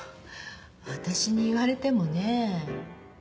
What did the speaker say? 私に言われてもねぇ。